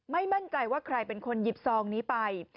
ไม่มั่นใจว่าใครเป็นคนหยิบซองนี้ไป